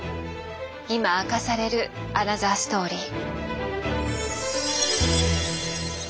今明かされるアナザーストーリー。